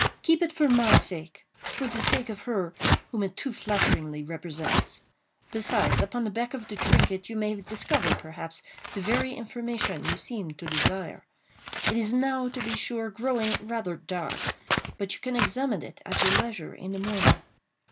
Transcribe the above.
"Keep it for my sake—for the sake of her whom it too flatteringly represents. Besides, upon the back of the trinket you may discover, perhaps, the very information you seem to desire. It is now, to be sure, growing rather dark—but you can examine it at your leisure in the morning.